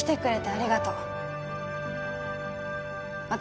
ありがとう私